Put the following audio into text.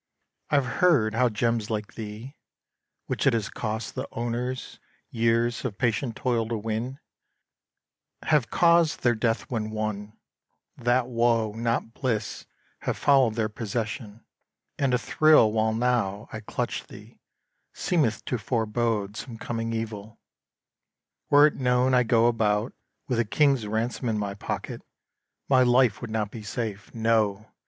I've heard how gems like thee, which it has cost The owners years of patient toil to win, Have caused their death when won; that woe, not bliss, Have followed their possession; and a thrill While now I clutch thee seemeth to forebode Some coming evil. Were it known I go About with a king's ransom in my pocket, My life would not be safe. No!